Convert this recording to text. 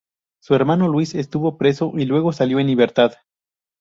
Su hermano Luis, estuvo preso y luego salió en libertad.